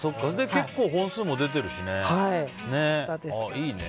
結構、本数も出ているしね。いいね。